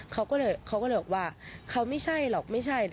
เขาก็เลยเขาก็เลยบอกว่าเขาไม่ใช่หรอกไม่ใช่